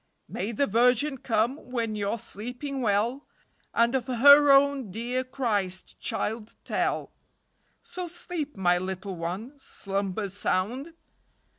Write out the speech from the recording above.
May the Virgin come when you're sleeping well, And of her own dear Christchild tell; So sleep, my little one, Slumber sound.